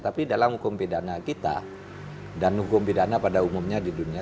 tapi dalam hukum pidana kita dan hukum pidana pada umumnya di dunia